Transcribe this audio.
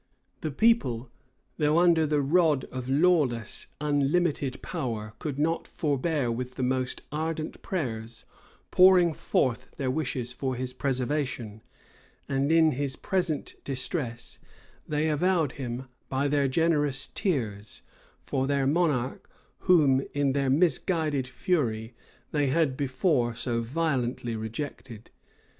* Rush. vol. viii. p. 1425. The people, though under the rod of lawless, unlimited power, could not forbear, with the most ardent prayers, pouring forth their wishes for his preservation; and in his present distress, they avowed him, by their generous tears, for their monarch, whom, in their misguided fury, they had before so violently rejected.